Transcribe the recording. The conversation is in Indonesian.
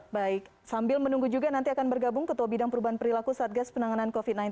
baik sambil menunggu juga nanti akan bergabung ketua bidang perubahan perilaku satgas penanganan covid sembilan belas